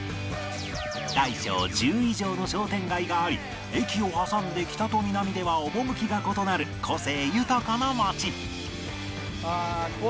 大小１０以上の商店街があり駅を挟んで北と南では趣が異なる個性豊かな街